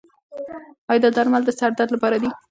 ایا دا درمل د سر درد لپاره دي؟